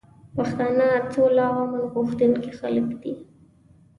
پښتانه سوله او امن غوښتونکي خلک دي.